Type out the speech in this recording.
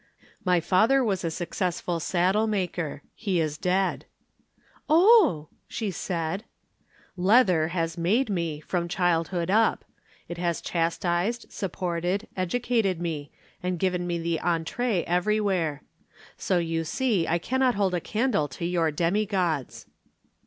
"My father was a successful saddle maker. He is dead." "Oh!" she said. "Leather has made me, from childhood up it has chastised, supported, educated me, and given me the entrée everywhere. So you see I cannot hold a candle to your demigods."